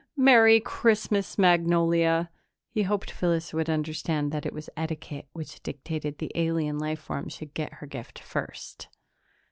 "Merry Christmas, Magnolia!" He hoped Phyllis would understand that it was etiquette which dictated that the alien life form should get her gift first.